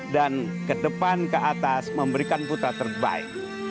dan ke depan ke atas memberikan putra terbaik